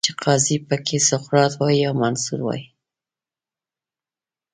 چې قاضي پکې سقراط وای، یا منصور وای